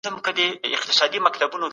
ژړا د خپګان یوه عامه نښه ده.